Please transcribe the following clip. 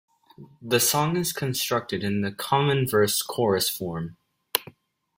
The song is constructed in the common verse-chorus form.